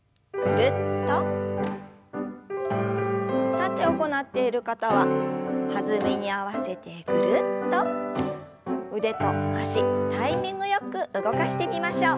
立って行っている方は弾みに合わせてぐるっと腕と脚タイミングよく動かしてみましょう。